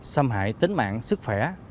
xâm hại tính mạng sức khỏe